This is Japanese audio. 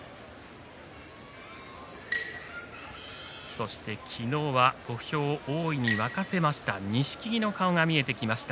そして昨日は土俵を大いに沸かせた錦木の顔が見えてきました。